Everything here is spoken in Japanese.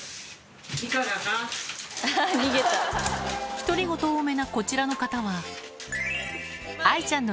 独り言多めなこちらの方は愛ちゃんの